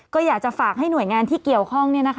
ก็อยากจะฝากให้หน่วยงานที่เกี่ยวข้อง